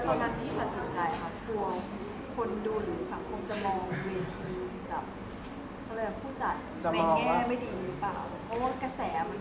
แบบก็เลยพูดจากแม่แง่ไม่ดีหรือเปล่า